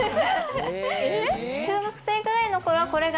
中学生くらいの頃は、これが